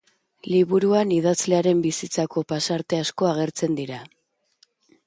Liburuan idazlearen bizitzako pasarte asko agertzen dira.